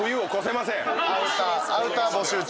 アウター募集中です。